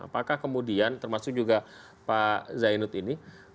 apakah kemudian termasuk juga pak zainud ini